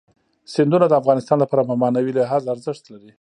سیندونه د افغانانو لپاره په معنوي لحاظ ارزښت لري.